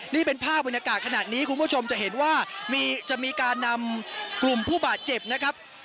นี่เป็นภาพบรรยากาศขนาดนี้คุณผู้ชมจะเห็นว่าจะมีการนำกลุ่มผู้บาดเจ็บนะครับ